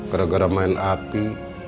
gara gara main api